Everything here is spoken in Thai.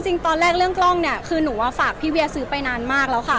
จริงตอนแรกเรื่องกล้องเนี่ยคือหนูว่าฝากพี่เวียซื้อไปนานมากแล้วค่ะ